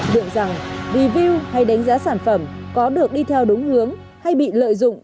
đượm rằng review hay đánh giá sản phẩm có được đi theo đúng hướng hay bị lợi dụng